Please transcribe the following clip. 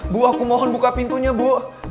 bu aku mohon buka pintunya bu